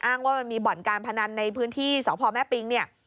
ว่ามันมีบ่อนการพนันในพื้นที่สพแม่ปิงเนี่ย